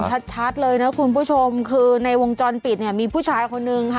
ชัดเลยนะคุณผู้ชมคือในวงจรปิดเนี่ยมีผู้ชายคนนึงค่ะ